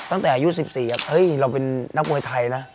ตั้งแต่อายุ๑๔เราเป็นนักมวยไทยนะ